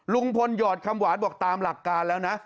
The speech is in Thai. หยอดคำหวานบอกตามหลักการแล้วนะ